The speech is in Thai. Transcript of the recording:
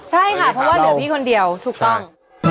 ใช่ค่ะเพราะว่าเหลือพี่คนเดียวถูกต้อง